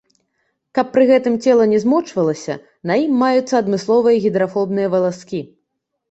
Каб пры гэтым цела не змочвалася, на ім маюцца адмысловыя гідрафобныя валаскі.